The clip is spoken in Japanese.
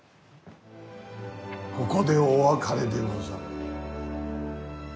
ここで、お別れでござる。